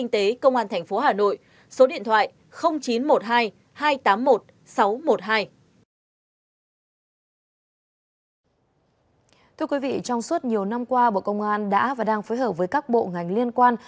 thưa quý vị trong suốt nhiều năm qua bộ công an đã và đang phối hợp với các bộ ngành liên quan